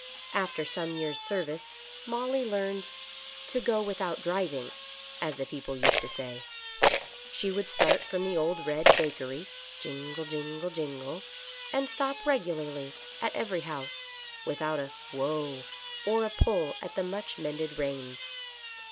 After some years' service " Molly " learned " to go without driv ing," as the people used to say. She would start from the old red bakery, jingle, jingle, jingle, and stop regularly at every house, without a "whoa" or a pull at the much mended reins.